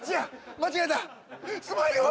間違えた！